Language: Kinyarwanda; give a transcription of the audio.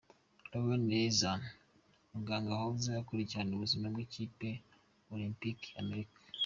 Larry Nasser, umuganga yahoze akurikirana ubuzima bw’ikipe olempike ya Amerika.